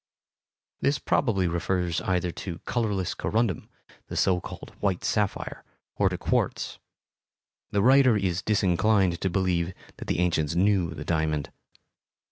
This probably refers either to colorless corundum, the so called "white sapphire," or to quartz. The writer is disinclined to believe that the ancients knew the diamond.